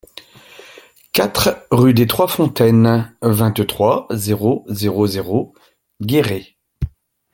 quatre rue des trois Fontaines, vingt-trois, zéro zéro zéro, Guéret